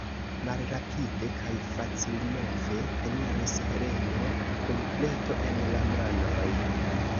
Malrapide kaj facilmove eniris Heleno kun pleto en la manoj.